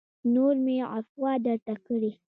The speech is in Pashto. نور مې عفوه درته کړې